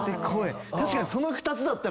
確かにその２つだったら。